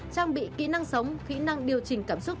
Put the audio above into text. trang bị kĩ năng sống kĩ năng điều chỉnh cảm xúc